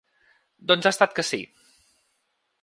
Doncs ha estat que sí.